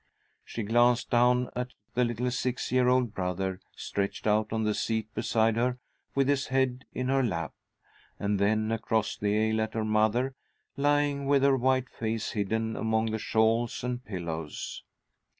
She glanced down at the little six year old brother stretched out on the seat beside her with his head in her lap, and then across the aisle at her mother, lying with her white face hidden among the shawls and pillows.